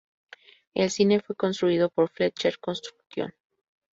El cine fue construido por Fletcher Construction.